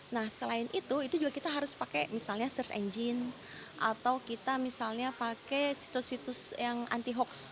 nah selain itu itu juga kita harus pakai misalnya search engine atau kita misalnya pakai situs situs yang anti hoax